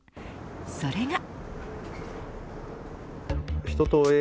それが。